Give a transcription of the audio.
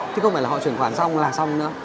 chứ không phải là họ chuyển khoản xong là xong nữa